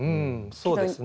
そうですね。